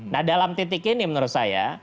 nah dalam titik ini menurut saya